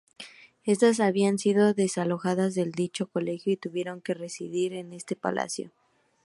Estas habían sido desalojadas de dicho colegio y tuvieron que residir en este palacio.